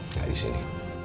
enggak di sini